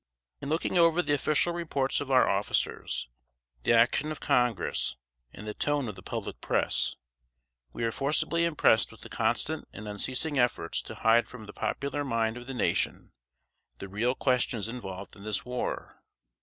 In looking over the official reports of our officers, the action of Congress, and the tone of the public press, we are forcibly impressed with the constant and unceasing efforts to hide from the popular mind of the nation the real questions involved in this war.